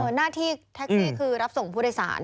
หน้าที่แท็กซี่คือรับส่งผู้โดยสาร